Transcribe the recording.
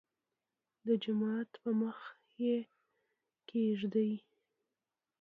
دجومات په مخکې يې کېږدۍ.